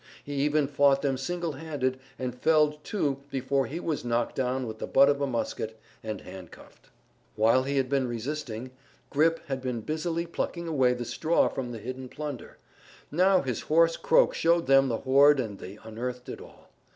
He even fought them single handed and felled two before he was knocked down with the butt of a musket and handcuffed. While he had been resisting, Grip had been busily plucking away the straw from the hidden plunder; now his hoarse croak showed them the hoard and they unearthed it all.